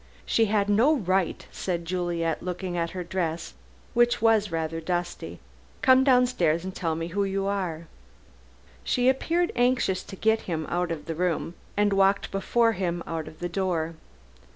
"She had no right," said Juliet, looking at her dress, which was rather dusty, "come downstairs and tell me who you are." She appeared anxious to get him out of the room, and walked before him out of the door.